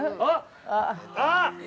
◆あっ！